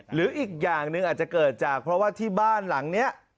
หรืออีกอย่างหนึ่งอาจจะเกิดจากเพราะว่าที่บ้านหลังนี้